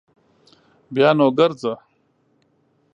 بیا نو ګرځه